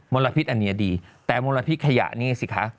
ลพิษอันนี้ดีแต่มลพิษขยะนี่สิคะ